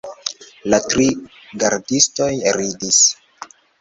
La tri gardistoj ridis.